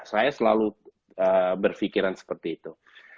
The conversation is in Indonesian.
saya selalu berpikiran seperti itu